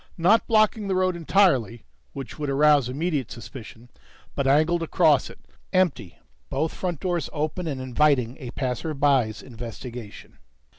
Not blocking the road entirely, which would arouse immediate suspicion, but angled across it, lights out, empty, both front doors open and inviting a passerby's investigation.